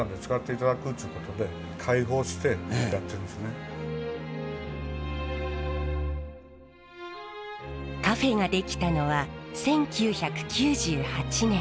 あのここはカフェが出来たのは１９９８年。